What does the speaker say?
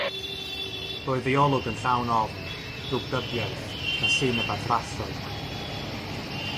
Roedd ei olwg yn llawn ofn, drwgdybiaeth, casineb a thrallod.